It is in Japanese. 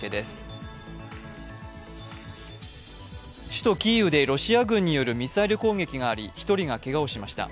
首都キーウでロシア軍によるミサイル攻撃があり、１人がけがをしました。